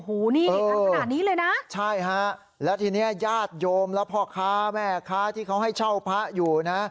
หูนี่กันขนาดนี้เลยนะใช่ฮะแล้วทีนี้ญาติโยมและพ่อค้าแม่ค้าที่เขาให้เช่าพระอยู่นะ